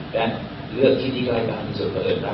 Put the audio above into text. และเลือกที่ดีใกล้กว่าหรือส่วนเพิ่มกว่า